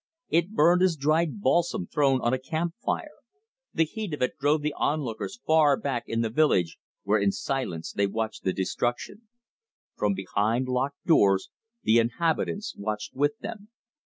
It burned as dried balsam thrown on a camp fire. The heat of it drove the onlookers far back in the village, where in silence they watched the destruction. From behind locked doors the inhabitants watched with them.